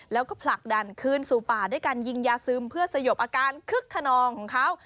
แล้วก็ผลักดันคืนสู่ป่าด้วยการยิงยาซึมเพื่อสยบอาการคึกขนองของเขา